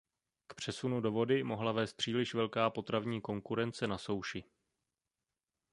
K přesunu do vody mohla vést příliš velká potravní konkurence na souši.